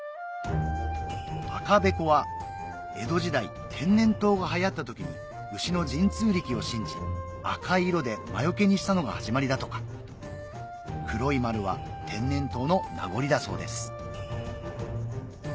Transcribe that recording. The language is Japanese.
赤べこは江戸時代天然痘が流行った時に牛の神通力を信じ赤い色で魔よけにしたのが始まりだとか黒い丸は天然痘の名残だそうです